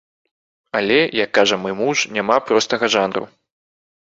Але, як кажа мой муж, няма простага жанру.